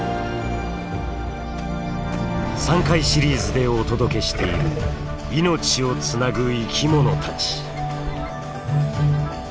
３回シリーズでお届けしている「命をつなぐ生きものたち」。